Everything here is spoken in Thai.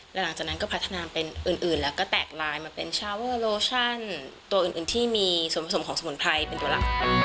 แล้วหลังจากนั้นก็พัฒนาเป็นอื่นแล้วก็แตกลายมาเป็นชาเวอร์โลชั่นตัวอื่นที่มีส่วนผสมของสมุนไพรเป็นตัวหลัก